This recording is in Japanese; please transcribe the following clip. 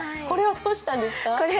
これはどうしたんですか？